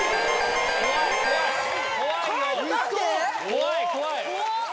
怖い怖い！